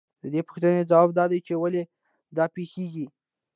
د دې پوښتنې ځواب دا دی چې ولې دا پېښېږي